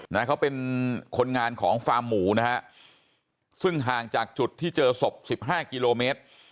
นะเขาเป็นคนงานของฟาร์มหมูนะฮะซึ่งห่างจากจุดที่เจอศพสิบห้ากิโลเมตร